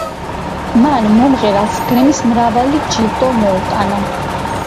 მან მომღერალს გრემის მრავალი ჯილდო მოუტანა.